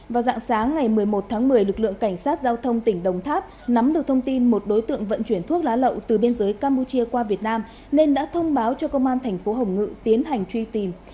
vào dạng sáng ngày một mươi một tháng một mươi lực lượng cảnh sát giao thông tỉnh đồng tháp nắm được thông tin một đối tượng vận chuyển thuốc lá lậu từ biên giới campuchia qua việt nam nên đã thông báo cho công an thành phố hồng ngự tiến hành truy tìm